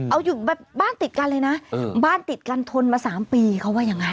เอาอยู่แบบบ้านติดกันเลยนะบ้านติดกันทนมา๓ปีเขาว่ายังไง